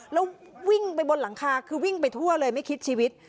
แล้ววิ่งไปบนหลังคาคือวิ่งไปทั่วเลยไม่คิดชีวิต